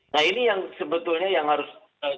nah ini yang sebetulnya yang harus